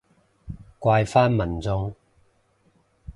怪返民眾